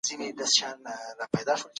د مالونو په ساتنه کي احتیاط کوئ.